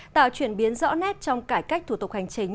tạo chuyển biến rõ nét trong cải cách thủ tục hành chính